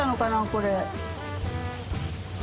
これ。